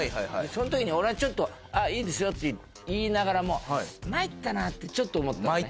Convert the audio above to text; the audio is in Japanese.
その時に俺はちょっと「いいですよ」って言いながらも参ったなってちょっと思ったのね。